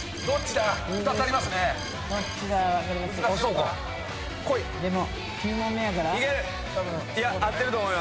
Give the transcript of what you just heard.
どっちだ？